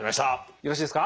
よろしいですか？